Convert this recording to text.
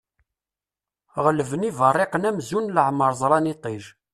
Ɣelben iberriqen amzun leɛmer ẓran iṭij.